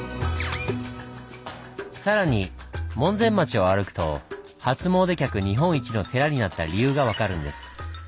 更に門前町を歩くと初詣客日本一の寺になった理由が分かるんです。